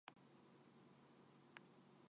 インサニティ・ザ・ライドは、真に心を揺さぶる体験です